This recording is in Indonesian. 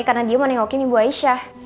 karena dia mau nengokin ibu aisyah